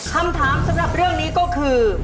คำถามสำหรับเรื่องนี้ก็คือ